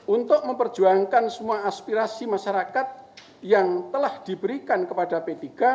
untuk memperjuangkan semua aspirasi masyarakat yang telah diberikan kepada p tiga